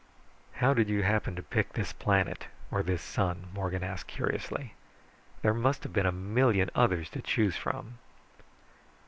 "How did you happen to pick this planet, or this sun?" Morgan asked curiously. "There must have been a million others to choose from."